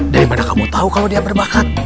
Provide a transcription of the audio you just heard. dari mana kamu tahu kalau dia berbakat